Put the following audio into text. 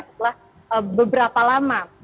setelah beberapa lama